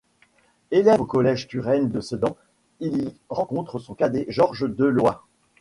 Élève au collège Turenne de Sedan, il y rencontre son cadet Georges Delaw.